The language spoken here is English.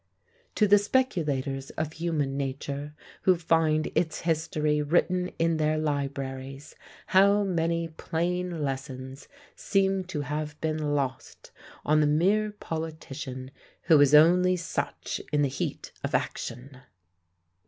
" To the speculators of human nature, who find its history written in their libraries, how many plain lessons seem to have been lost on the mere politician, who is only such in the heat of action!